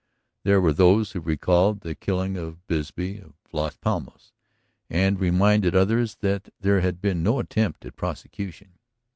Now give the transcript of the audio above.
There were those who recalled the killing of Bisbee of Las Palmas, and reminded others that there had been no attempt at prosecution.